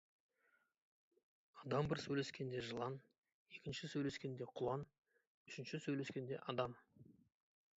Адам бір сөйлескенде жылан, екінші сөйлескенде құлан, үшінші сөйлескенде адам.